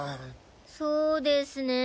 そうですねぇ。